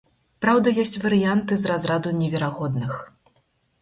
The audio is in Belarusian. Праўда, ёсць варыянты з разраду неверагодных.